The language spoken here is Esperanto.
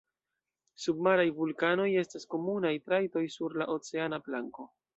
Submaraj vulkanoj estas komunaj trajtoj sur la oceana planko.